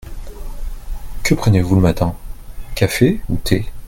Que prenez-vous le matin ? Café ou thé ?